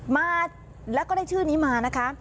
มาแล้วก็ได้ชื่อนี้มานะคะ